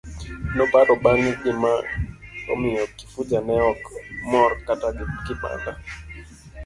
Noparo bang'e gima omiyo Kifuja ne ok mor kata kibanda.